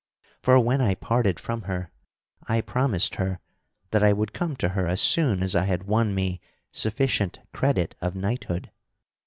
For when I parted from her I promised her that I would come to her as soon as I had won me sufficient credit of knighthood.